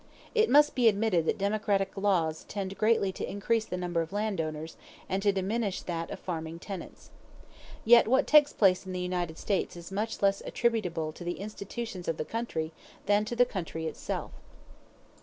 It must be admitted that democratic laws tend greatly to increase the number of landowners, and to diminish that of farming tenants. Yet what takes place in the United States is much less attributable to the institutions of the country than to the country itself.